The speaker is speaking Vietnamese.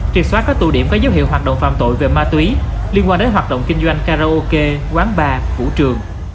triệt xóa các tụ điểm có dấu hiệu hoạt động phạm tội về ma túy liên quan đến hoạt động kinh doanh karaoke quán bar vũ trường